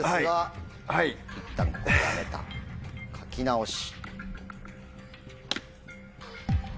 いったんここでやめた書き直し。